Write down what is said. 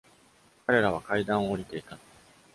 彼らは階段を下りていた。